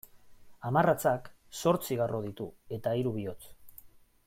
Hamarratzak zortzi garro ditu eta hiru bihotz.